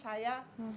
saya ikut satu tahun